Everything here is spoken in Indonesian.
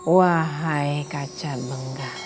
wahai kaca benggara